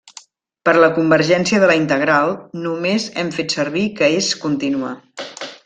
Per la convergència de la integral, només hem fet servir que és contínua.